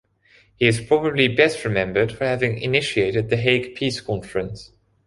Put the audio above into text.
He is probably best remembered for having initiated the Hague Peace Conference.